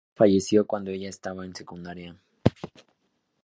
Su padre falleció cuando ella estaba en secundaria.